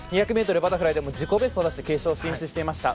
２００ｍバタフライでも自己ベストを出して決勝進出していました。